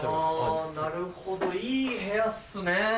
あなるほどいい部屋っすね。